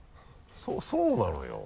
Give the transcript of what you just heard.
そうなのよ。